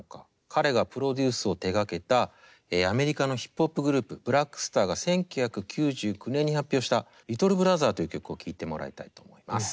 彼がプロデュースを手がけたアメリカのヒップホップグループブラック・スターが１９９９年に発表した「ＬｉｔｔｌｅＢｒｏｔｈｅｒ」という曲を聴いてもらいたいと思います。